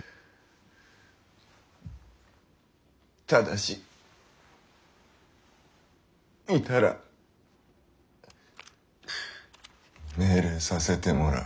但し見たら「命令」させてもらう。